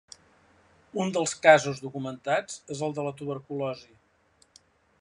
Un dels casos documentats és el de la tuberculosi.